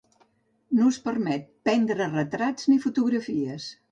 No es permet prendre retrats ni fotografies.